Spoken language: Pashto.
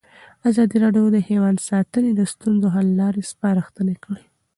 ازادي راډیو د حیوان ساتنه د ستونزو حل لارې سپارښتنې کړي.